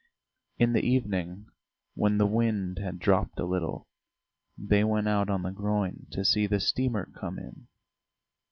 In the evening when the wind had dropped a little, they went out on the groyne to see the steamer come in.